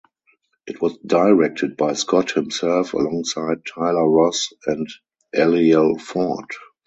It was directed by Scott himself alongside Tyler Ross and Eliel Ford.